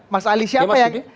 mas ali siapa yang